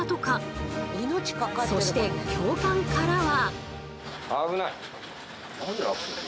そして教官からは。